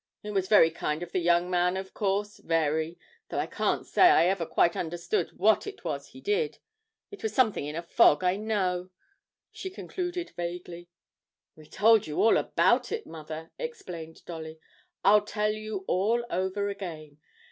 It was very kind of the young man, of course, very though I can't say I ever quite understood what it was he did it was something in a fog, I know,' she concluded vaguely. 'We told you all about it, mother,' explained Dolly; 'I'll tell you all over again.